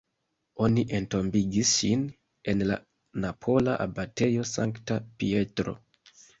Oni entombigis ŝin en la napola abatejo Sankta Pietro.